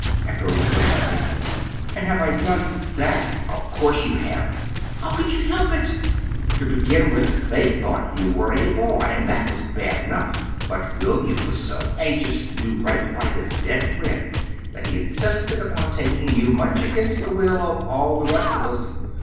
echoed Billy, faintly. "And have I done that?" "Of course you have! How could you help it? To begin with, they thought you were a boy, and that was bad enough; but William was so anxious to do right by his dead friend that he insisted upon taking you, much against the will of all the rest of us.